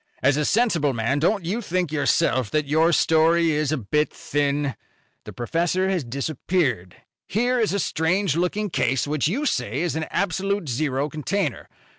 "As a sensible man, don't you think yourself that your story is a bit thin? The professor has disappeared. Here is a strange looking case which you say is an absolute zero container.